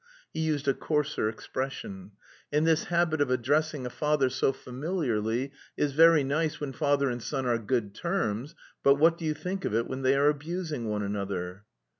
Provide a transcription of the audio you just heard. (He used a coarser expression.) And this habit of addressing a father so familiarly is very nice when father and son are on good terms, but what do you think of it when they are abusing one another?"